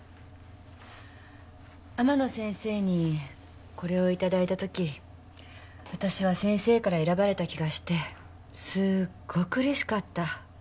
天野先生にこれを頂いた時私は先生から選ばれた気がしてすごく嬉しかった。